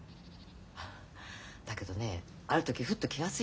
だけどねある時ふっと気がついたのよ。